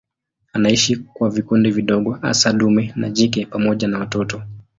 Anaishi kwa vikundi vidogo hasa dume na jike pamoja na watoto.